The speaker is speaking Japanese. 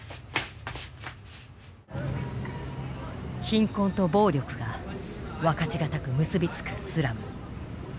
貧困と暴力が分かち難く結び付くスラム。